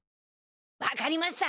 分かりました！